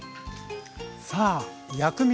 さあ薬味